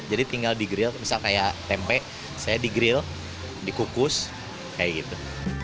jadi tinggal di grill misalnya kayak tempe saya di grill dikukus kayak gitu